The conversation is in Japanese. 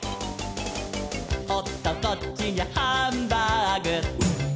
「おっとこっちにゃハンバーグ」